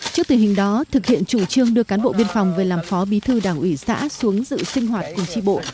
trước tình hình đó thực hiện chủ trương đưa cán bộ biên phòng về làm phó bí thư đảng ủy xã xuống dự sinh hoạt cùng tri bộ